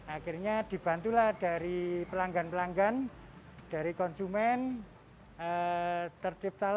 akhirnya dibantulah dari pelanggan pelanggan dari konsumen tercipta